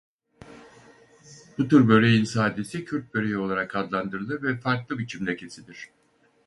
Bu tür böreğin sadesi Kürt Böreği olarak adlandırılır ve farklı biçimde kesilir.